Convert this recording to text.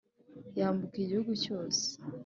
'yambuka igihugu cyose